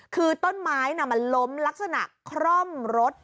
คือต้นไม้มันล้มลักษณะคร่อมรถ